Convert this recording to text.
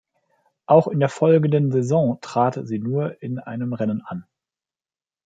Auch in der folgenden Saison trat sie nur in einem Rennen an.